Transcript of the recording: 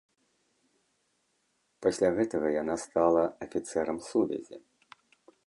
Пасля гэтага яна стала афіцэрам сувязі.